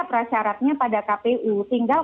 prasyaratnya pada kpu tinggal